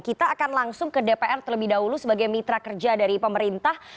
kita akan langsung ke dpr terlebih dahulu sebagai mitra kerja dari pemerintah